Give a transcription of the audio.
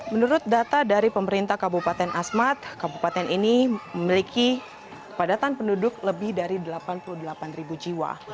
menurut data dari pemerintah kabupaten asmat kabupaten ini memiliki padatan penduduk lebih dari delapan puluh delapan jiwa